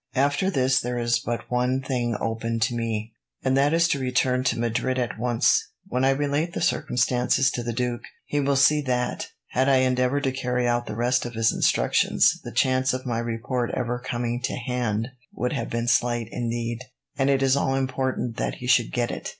After this there is but one thing open to me, and that is to return to Madrid at once. When I relate the circumstances to the duke, he will see that, had I endeavoured to carry out the rest of his instructions, the chance of my report ever coming to hand would have been slight indeed, and it is all important that he should get it.